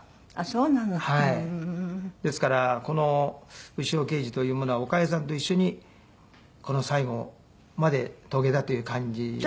ですからこの牛尾刑事というものは岡江さんと一緒にこの最後まで遂げたという感じですね。